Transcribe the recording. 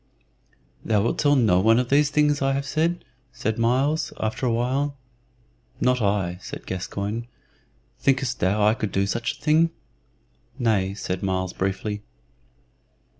"Thou wilt tell no one of these things that I have said?" said Myles, after a while. "Not I," said Gascoyne. "Thinkest thou I could do such a thing?" "Nay," said Myles, briefly.